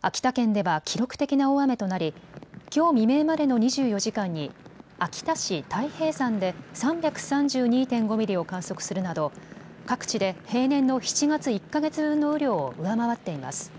秋田県では記録的な大雨となりきょう未明までの２４時間に秋田市太平山で３３２．５ミリを観測するなど各地で平年の７月１か月分の雨量を上回っています。